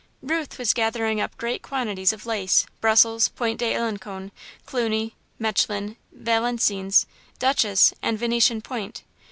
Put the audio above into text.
Ruth was gathering up great quantities of lace Brussels, Point d'Alencon, Cluny, Mechlin, Valenciennes, Duchesse and Venetian point.